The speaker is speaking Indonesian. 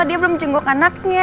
dia belum jenguk anaknya